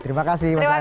terima kasih mas adi